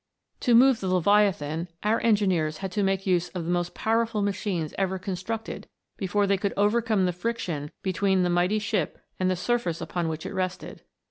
To move the Leviathan, our engineers had to make use of the most powerful machines ever con structed before they could overcome the friction between the mighty ship and the surface upon which it rested.